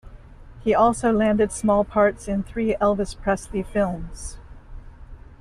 He also landed small parts in three Elvis Presley films.